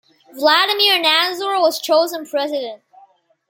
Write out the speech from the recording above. Vladimir Nazor was chosen president.